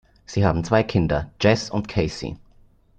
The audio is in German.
Sie haben zwei Kinder Jesse und Casey.